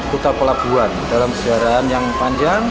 kota pelabuhan dalam sejarahan yang panjang